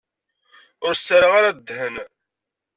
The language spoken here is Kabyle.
Ur s-ttarra ara ddhen.